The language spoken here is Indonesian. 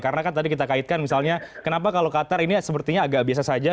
karena kan tadi kita kaitkan misalnya kenapa kalau qatar ini sepertinya agak biasa saja